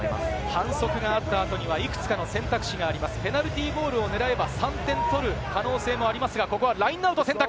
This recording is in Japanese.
反則があった後には、いくつかの選択肢があります、ペナルティーゴールを狙えば３点取る可能性もありますが、ラインアウトを選択！